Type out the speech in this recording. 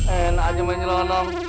eh enak aja mainnya loh dong